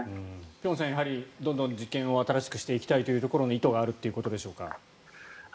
辺さん、やはりどんどん実験を新しくしていきたいというところの意図があるということでしょうか。